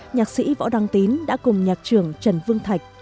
nhạc sĩ võ đăng tín đã cùng nhạc trưởng trần vương thạch